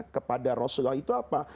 kepada rasulullah itu apa